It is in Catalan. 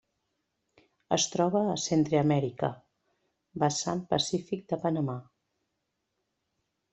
Es troba a Centreamèrica: vessant pacífic de Panamà.